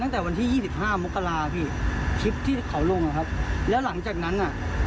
ก็หลังจากนั้นก็เจอกันพี่๓วันเจอกัน